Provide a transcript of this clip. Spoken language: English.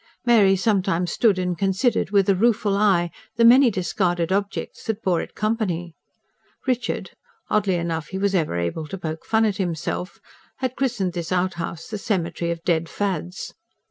Mary sometimes stood and considered, with a rueful eye, the many discarded objects that bore it company. Richard oddly enough he was ever able to poke fun at himself had christened this outhouse "the cemetery of dead fads."